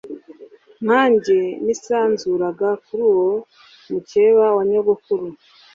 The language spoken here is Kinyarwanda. nkange nisanzuraga kuri uwo mukeba wa nyogokuru.